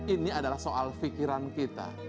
ini adalah soal fikiran kita